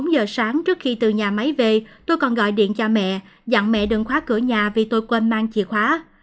tám giờ sáng trước khi từ nhà máy về tôi còn gọi điện cha mẹ dặn mẹ đừng khóa cửa nhà vì tôi quên mang chìa khóa